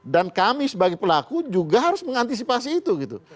dan kami sebagai pelaku juga harus mengantisipasi itu gitu